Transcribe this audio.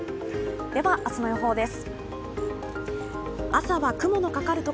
では、明日の予報です。